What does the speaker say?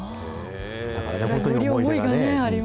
だから、本当に思い出がね。